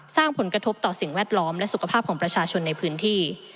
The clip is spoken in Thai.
สร้างผลกระทบต่อสิ่งแวดล้อมและสุขภาพของประชาชนในพื้นที่